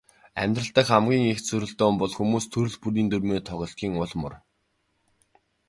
Амьдрал дахь хамгийн их зөрөлдөөн бол хүмүүс төрөл бүрийн дүрмээр тоглодгийн ул мөр.